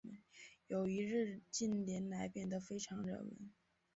友谊日近年来变得非常热门。